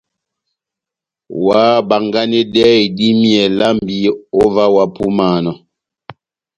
Óhábánganedɛhɛ idímiyɛ lambi ó ová ohápúmanɔ !